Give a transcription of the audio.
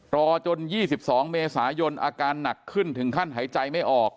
รอจน๒๒เมษายนอาการหนักขึ้นถึงขั้นหายใจไม่ออก